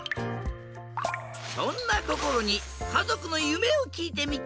そんなこころにかぞくのゆめをきいてみた！